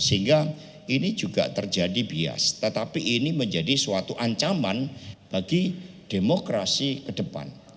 sehingga ini juga terjadi bias tetapi ini menjadi suatu ancaman bagi demokrasi ke depan